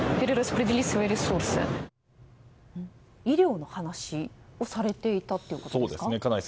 医療の話をされていたということですか？